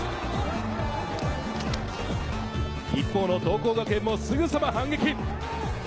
一方の桐光学園もすぐさま反撃。